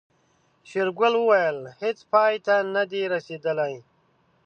شېرګل وويل هيڅ پای ته نه دي رسېدلي.